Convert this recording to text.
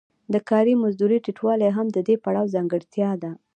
د کاري مزدونو ټیټوالی هم د دې پړاو ځانګړتیا ده